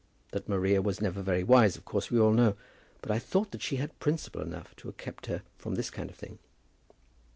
That Maria was never very wise, of course we all know; but I thought that she had principle enough to have kept her from this kind of thing."